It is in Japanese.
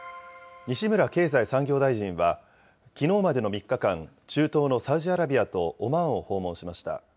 西村経済産業大臣は、きのうまでの３日間、中東のサウジアラビアとオマーンを訪問しました。